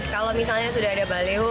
kalau misalnya sudah ada baliho